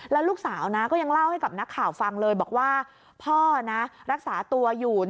แล้วลูกสาวก็ยังเล่าให้กับนักข่าวฟังเลยบอกว่าพ่อรักษาตัวอยู่